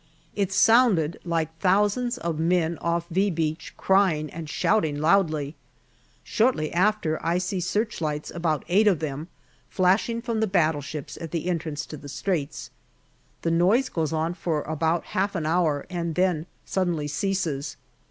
It sounded like thousands of men off " V " Beach crying and shouting loudly. Shortly after I see searchlights, about eight of them, flashing from 84 GALLIPOLI DIARY the battleships at the entrance to the Straits. The noise goes on for about half an hour and then suddenly ceases.